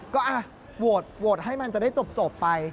ก็โหวตให้มันจะได้จบไป